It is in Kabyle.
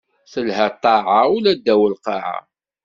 Telha ṭṭaɛa, ula ddaw lqaɛa.